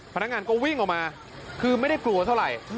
พนักงานก็วิ่งออกมาคือไม่ได้กลัวเท่าไหร่